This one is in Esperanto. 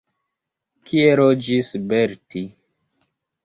Kie loĝis Belti?